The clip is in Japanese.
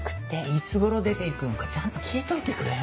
いつ頃出ていくのかちゃんと聞いといてくれよ。